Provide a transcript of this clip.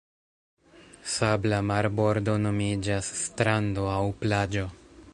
Sabla marbordo nomiĝas strando aŭ plaĝo.